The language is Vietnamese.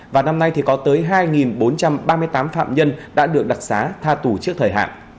và năm nay thì có tới hai bốn trăm ba mươi tám phạm nhân đã được đặc xá tha tù trước thời hạn